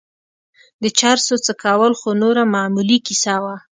د چرسو څکول خو نوره معمولي کيسه وه.